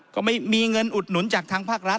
ก็ไม่มีเงินอุดหนุนจากทางภาครัฐ